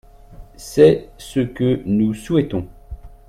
C’est ce que nous souhaitons.